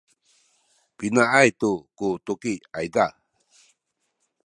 pinaay tu ku tuki ayza?